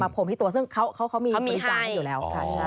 พรมที่ตัวซึ่งเขามีบริการให้อยู่แล้วค่ะ